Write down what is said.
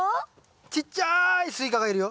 ちっちゃいスイカがいるよ。